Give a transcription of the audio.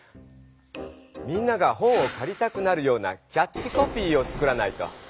みんなが本をかりたくなるようなキャッチコピーを作らないと。